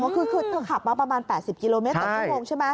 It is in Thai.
คือเธอขับมาประมาณ๘๐กิโลเมตรต่อชั่วโมงใช่ไหม